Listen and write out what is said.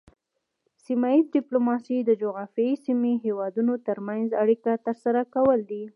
سیمه ایز ډیپلوماسي د جغرافیایي سیمې هیوادونو ترمنځ اړیکې ترسره کول دي